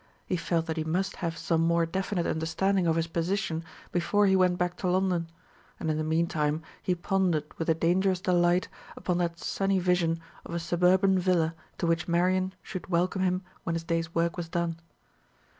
He felt that he must have some more definite understanding of his position before he went back to London; and in the meantime he pondered with a dangerous delight upon that sunny vision of a suburban villa to which Marian should welcome him when his day's work was done.